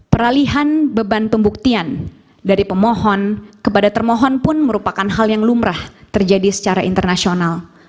peralihan beban pembuktian dari pemohon kepada termohon pun merupakan hal yang lumrah terjadi secara internasional